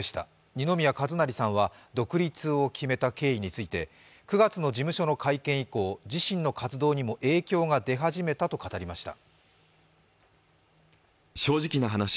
二宮和也さんは、独立を決めた経緯について、９月の事務所の会見以降、自身の活動にも影響が出始めたと語りました。